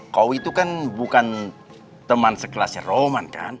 kowi itu kan bukan teman sekelasnya roman kan